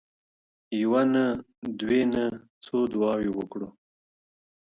يوه نه، دوې نه، څو دعاوي وكړو.